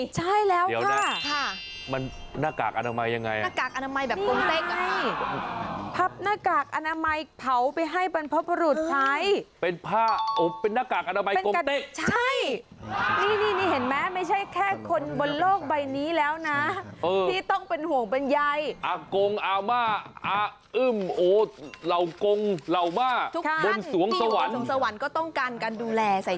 จะคิดว่าเป็นพัดแต่ว่านี่อ๋อมาแล้วค่ะมาแล้วหน้ากากอนามัย